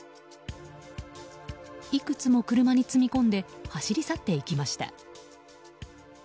いくつも車に積み込んで走り去っていきました。